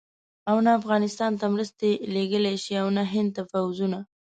او نه افغانستان ته مرستې لېږلای شي او نه هند ته پوځونه.